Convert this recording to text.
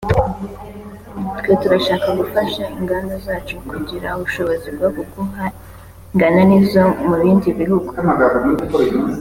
twe turashaka gufasha inganda zacu kugira ubushobozi bwo guhangana n’izo mu bindi bihugu